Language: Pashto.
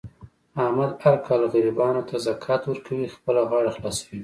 احمد هر کال غریبانو ته زکات ورکوي. خپله غاړه خلاصوي.